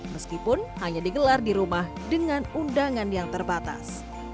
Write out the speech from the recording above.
meskipun hanya digelar di rumah dengan undangan yang terbatas